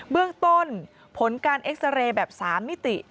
เรื่องต้นผลการเอ็กซาเรย์แบบ๓มิติ